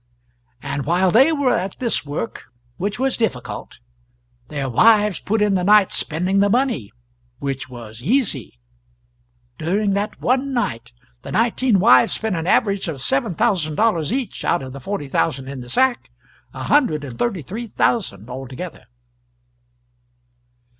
And while they were at this work, which was difficult, their wives put in the night spending the money, which was easy. During that one night the nineteen wives spent an average of seven thousand dollars each out of the forty thousand in the sack a hundred and thirty three thousand altogether.